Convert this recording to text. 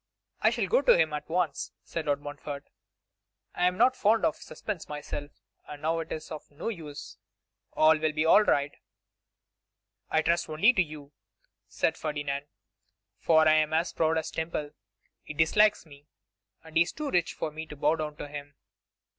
'I shall go to him at once,' said Lord Montfort; 'I am not fond of suspense myself, and now it is of no use. All will be right.' 'I trust only to you,' said Ferdinand; 'for I am as proud as Temple. He dislikes me, and he is too rich for me to bow down to him.